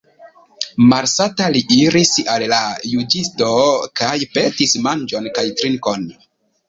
Malsata li iris al la juĝisto kaj petis manĝon kaj trinkon.